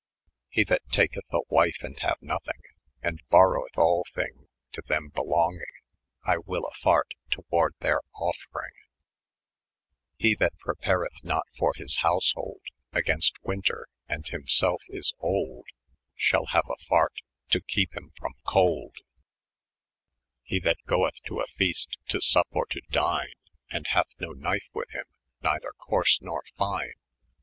170 ' He tibat taketh a wyfe, and faane nothing, And boroweth aU thyiig to them belonging; I wyll a fart toward theyr ofiryng, 1'3 ■ He that prepareth not for his housbold [p. 9.] Agaynat wynter, and hym self is oldej ShaU haae a fart^ to kepe hym fro coulde. 176 '^ He that gooeth to a feaste to snp or to dyne. And hath no knyfe with hym, nejther cours nor fyne'.